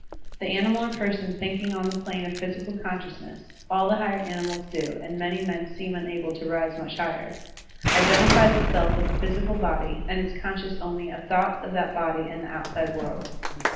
The animal or person thinking on the plane of Physical Consciousness (all the higher animals do, and many men seem unable to rise much higher) identifies itself with the physical body, and is conscious only of thoughts of that body and the outside world.